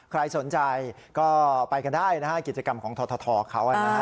ใครสนใจก็ไปกันได้นะฮะกิจกรรมของททเขานะฮะ